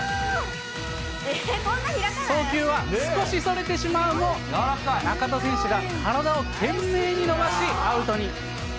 送球は少しそれてしまうも、中田選手が体を懸命に伸ばし、アウトに。